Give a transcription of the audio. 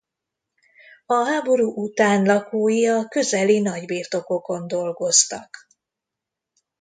A háború után lakói a közeli nagybirtokokon dolgoztak.